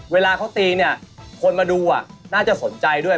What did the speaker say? เวลาเขาตีเนี่ยคนมาดูน่าจะสนใจด้วย